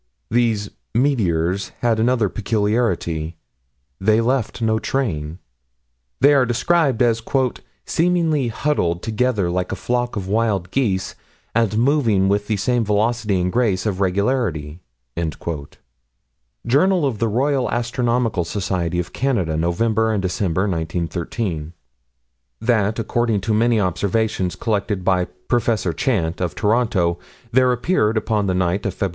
These "meteors" had another peculiarity; they left no train. They are described as "seemingly huddled together like a flock of wild geese, and moving with the same velocity and grace of regularity." Jour. Roy. Astro. Soc. of Canada, November and December, 1913: That, according to many observations collected by Prof. Chant, of Toronto, there appeared, upon the night of Feb.